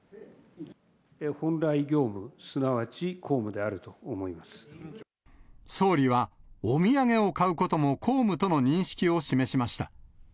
本来業務、すなわち公務であ総理は、お土産を買うことも公務との認識を示しました。